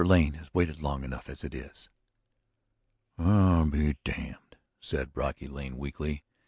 Lane has waited long enough as it is." "I'll be damned!" said Brocky Lane weakly.